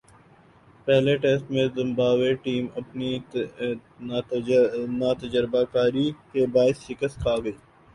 پہلے ٹیسٹ میں Zimbabwe team اپنی ناتجربہ کاری کے باعث شکست کھاگئی